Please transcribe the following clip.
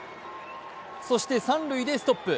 そして三塁でストップ。